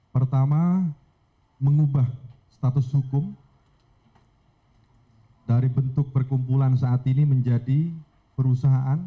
pertama mengubah status hukum dari bentuk perkumpulan saat ini menjadi perusahaan